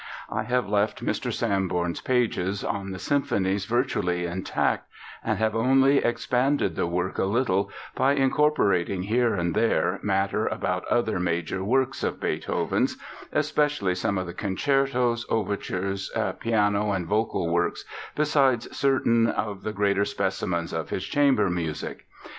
I have left Mr. Sanborn's pages on the symphonies virtually intact and have only expanded the work a little by incorporating here and there matter about other major works of Beethoven's, especially some of the concertos, overtures, piano and vocal works, besides certain of the greater specimens of his chamber music.